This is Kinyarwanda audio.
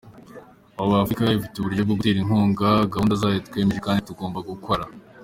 Ubu Afurika ifite uburyo bwo gutera inkunga gahunda zayo twemeje kandi tugomba gukora.